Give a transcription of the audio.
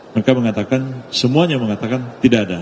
mereka mengatakan semuanya mengatakan tidak ada